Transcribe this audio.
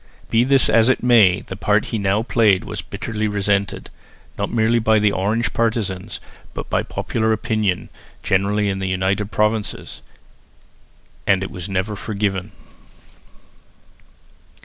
Be this as it may, the part that he now played was bitterly resented, not merely by the Orange partisans, but by popular opinion generally in the United Provinces, and it was never forgiven.